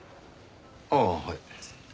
ああはい。